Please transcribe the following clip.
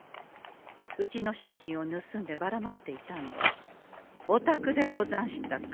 うちの商品をぬすんでばらまいていたのはおたくでござんしたか。